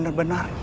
aku tidak berbohong